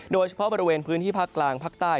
โดยเฉพาะบริเวณพื้นที่ภาคกลางภาคใต้